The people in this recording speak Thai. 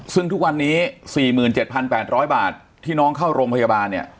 ซึ่งทุกวันนี้๔๗๘๐๐บาทที่น้องเข้าโรงพยาบาลเนี่ย